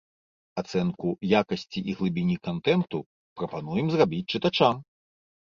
Ацэнку якасці і глыбіні кантэнту прапануем зрабіць чытачам.